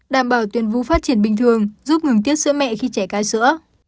đảm bảo tuyển vũ phát triển bình thường giúp ngừng tiết sữa mẹ khi trẻ cá sữa